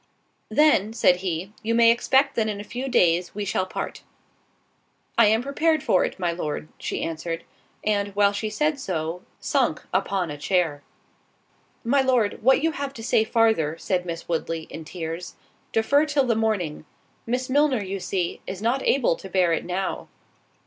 "Then," said he, "you may expect that in a few days we shall part." "I am prepared for it, my Lord," she answered, and, while she said so, sunk upon a chair. "My Lord, what you have to say farther," said Miss Woodley, in tears, "defer till the morning—Miss Milner, you see, is not able to bear it now."